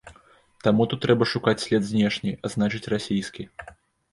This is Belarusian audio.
Таму тут трэба шукаць след знешні, а значыць, расійскі.